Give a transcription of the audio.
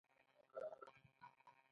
بدرنګه ذهن نه ښو ته لار ورکوي